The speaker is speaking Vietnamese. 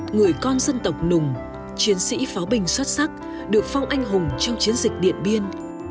người con dân tộc nùng chiến sĩ pháo binh xuất sắc được phong anh hùng trong chiến dịch điện biên